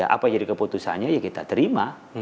apa jadi keputusannya ya kita terima